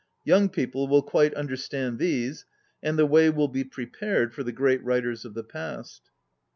Young people will quite understand these, and the way will be prepared for the great writers of the past.